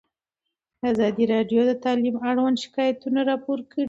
ازادي راډیو د تعلیم اړوند شکایتونه راپور کړي.